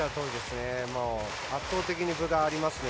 圧倒的に分がありますね。